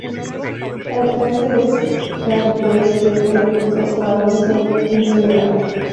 El tren se descarriló y siete de los doce vagones se incendiaron.